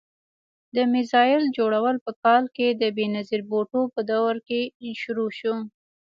د میزایل جوړول په کال کې د بېنظیر بوټو په دور کې شروع شو.